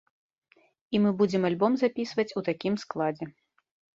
І мы будзем альбом запісваць у такім складзе.